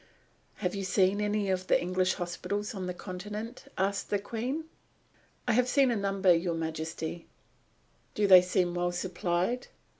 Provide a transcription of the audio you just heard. "Have you seen any of the English hospitals on the Continent?" the Queen asked. "I have seen a number, Your Majesty," "Do they seem well supplied?"